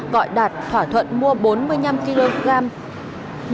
gọi đạt thỏa thuận mua bốn mươi năm kg ma túy